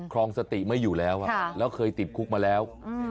ครองสติไม่อยู่แล้วแล้วเคยติดคุกมาแล้ว